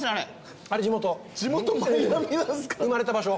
生まれた場所